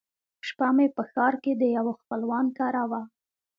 شپه مې په ښار کښې د يوه خپلوان کره وه.